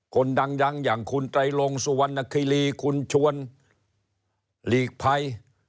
คนดังอย่างคุณไตรลงสุวรรณคิรีคุณชวนหลีกภัย